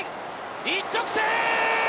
一直線！